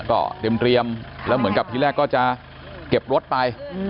ก็เตรียมแล้วเหมือนกับที่แรกก็จะเก็บรถไป